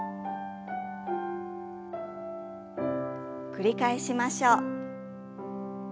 繰り返しましょう。